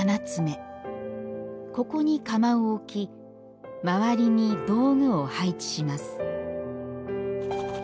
ここに釜を置き周りに道具を配置します